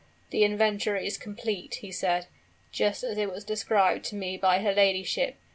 'The inventory is complete,' he said, 'just as it was described to me by her ladyship.